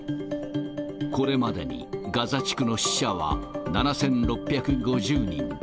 これまでにガザ地区の死者は７６５０人。